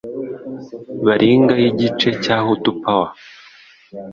baringa y igice cya Hutu pawa